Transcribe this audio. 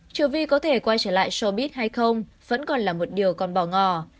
triệu vi có thể quay trở lại showbiz hay không vẫn còn là một điều còn bỏ ngò